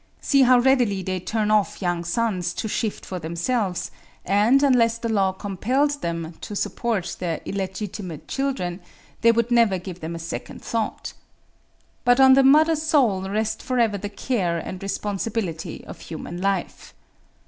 See how readily they turn off young sons to shift for themselves, and, unless the law compelled them to support their illegitimate children, they would never give them a second thought. But on the mother soul rest forever the care and responsibility of human life.